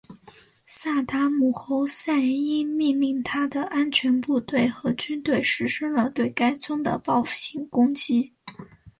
萨达姆侯赛因命令他的安全部队和军队实施了对该村的报复性攻击。